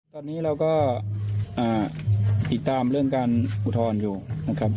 ตอนนี้เราก็ติดตามเรื่องการอุทธรณ์อยู่นะครับ